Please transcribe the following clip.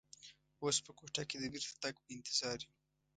اوس په کوټه کې د بېرته تګ په انتظار یو.